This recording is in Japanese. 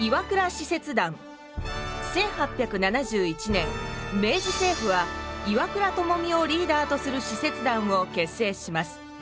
１８７１年明治政府は岩倉具視をリーダーとする使節団を結成します。